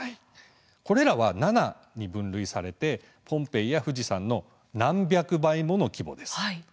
これらは７に分類されてポンペイや富士山の何百倍もの規模です。